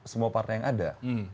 semua partai yang ada